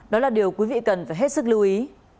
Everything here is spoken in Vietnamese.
đó là điều quý vị cần phải hết sức lưu ý